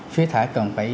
phía thả cần phải